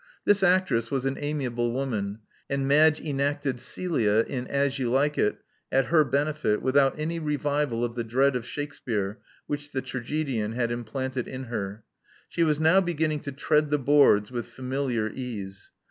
This actress was an amiable woman; and Madge enacted Celia in As You Likfe It" at her benefit without any revival of the dread of Shakspere which the tragedian had implanted in her. She was now beginning to tread the boards with familiar ease.